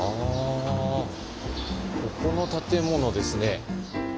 ここの建物ですね。